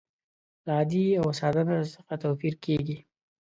له عادي او ساده نثر څخه توپیر کیږي.